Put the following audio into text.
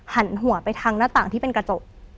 หันหัวไปทางหน้าต่างที่เป็นกระจก